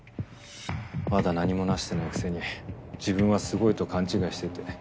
まだ何も成してないくせに自分はすごいと勘違いしてて。